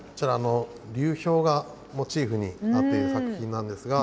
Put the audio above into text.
流氷がモチーフになっている作品です。